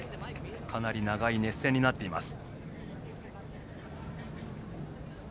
かなり長い熱戦になっています。